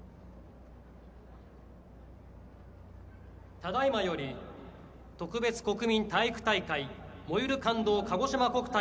ただいまより特別国民体育大会「燃ゆる感動かごしま国体」